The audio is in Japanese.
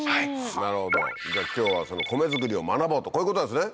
なるほどじゃあ今日はその米作りを学ぼうとこういうことなんですね？